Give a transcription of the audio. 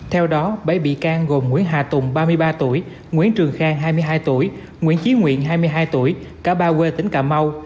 theo đó bảy bị can gồm nguyễn hà tùng nguyễn trường khang nguyễn chí nguyễn cả ba quê tỉnh cà mau